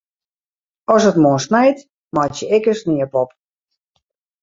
As it moarn snijt, meitsje ik in sniepop.